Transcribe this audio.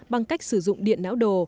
bằng cách sử dụng điện não đồ